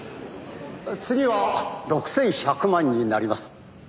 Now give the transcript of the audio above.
「次は６１００万になります」